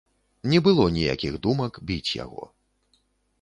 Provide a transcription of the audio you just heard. Не было ніякіх думак, біць яго.